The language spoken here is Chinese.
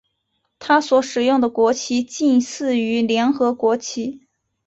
它所使用的国旗近似于联合国旗。